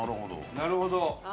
なるほど。